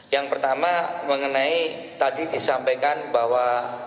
yang pertama mengenai tadi disampaikan bahwa